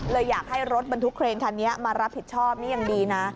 เลยอยากให้รถบรรทุกเครนทันเนี่ยมารับผิดชอบอย่างดีนะ